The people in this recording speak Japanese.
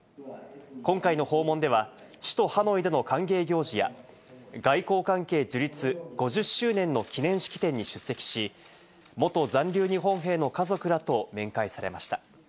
今回の訪問では、首都ハノイでの歓迎行事や、外交関係樹立５０周年の記念式典に出席し、元残留日本兵の家族らと面会されました。